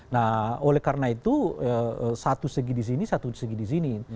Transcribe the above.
nah oleh karena itu satu segi di sini satu segi di sini